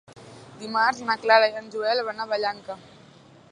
Dimarts na Clara i en Joel van a Vallanca.